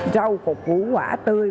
rau củ quả tươi